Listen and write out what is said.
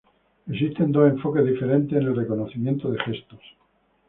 Existen dos enfoques diferentes en el reconocimiento de gestos:.